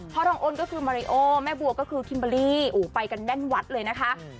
น้องอ้นก็คือมาริโอแม่บัวก็คือคิมเบอร์รี่ไปกันแน่นวัดเลยนะคะ